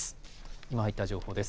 今入った情報です。